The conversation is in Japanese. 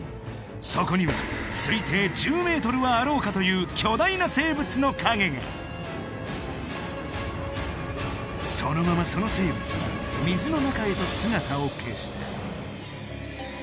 そこには推定１０ｍはあろうかという巨大な生物の陰がそのままその生物は水の中へと姿を消した